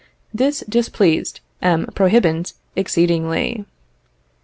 This displeased M. Prohibant exceedingly.